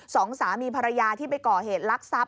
สองสามีภรรยาที่ไปก่อเหตุลักษัพ